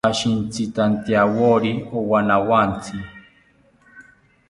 Ashintzitantyawori owanawontzi